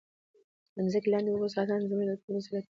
د مځکې لاندې اوبو ساتنه زموږ د ټولو مسؤلیت دی.